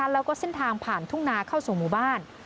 แล้วก็เส้นทางผ่านทุ่งนาเข้าสู่หมู่บ้าน